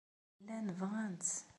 Llan bɣan-tt.